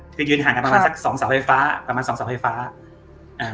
คือยืนห่างกันประมาณสักสองเสาไฟฟ้าประมาณสองเสาไฟฟ้าอ่า